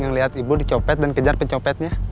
yang liat ibu dicopet dan kejar pencopetnya